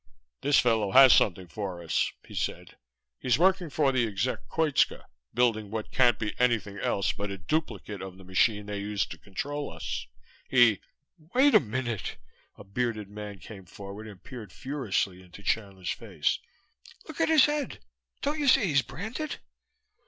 "This fellow has something for us," he said. "He's working for the exec Koitska, building what can't be anything else but a duplicate of the machine that they use to control us. He " "Wait a minute!" A bearded man came forward and peered furiously into Chandler's face. "Look at his head! Don't you see he's branded?"